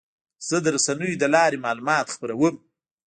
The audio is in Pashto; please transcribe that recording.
زه د رسنیو له لارې معلومات خپروم.